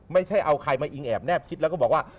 ไม่ใช่เอาใครมาอิงแอบแนบคิดแล้วก็บอกว่า